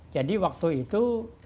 jadi waktu itu